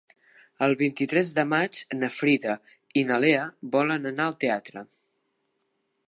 El vint-i-tres de maig na Frida i na Lea volen anar al teatre.